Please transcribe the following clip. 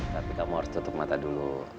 tapi kamu harus tutup mata dulu